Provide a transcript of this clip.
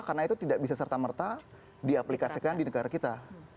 karena itu tidak bisa serta merta diaplikasikan di negara kita